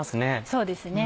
そうですね